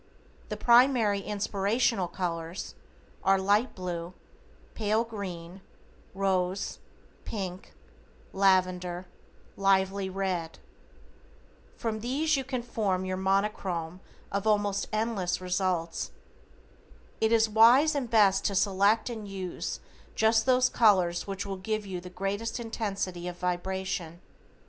The primary inspirational colors are: Light Blue, Pale Green, Rose, Pink, Lavender, Lively Red. From these you can form your Monochrome of almost endless results. It is wise and best to select and use just those colors which will give the greatest intensity of vibration.